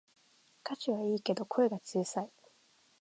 歌詞はいいけど声が小さい